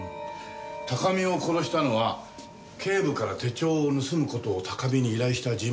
高見を殺したのは警部から手帳を盗む事を高見に依頼した人物です。